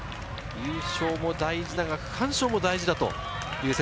優勝も大事だが、区間賞も大事だという。